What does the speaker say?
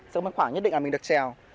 sẽ có khoảng nhất định là mình được treo